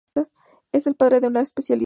Es el padre de esta especialidad.